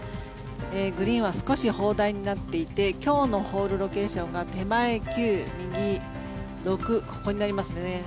グリーンは少し砲台になっていて今日のホールロケーションが手前９、右６ここになりますね。